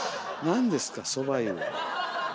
何ですかそば湯。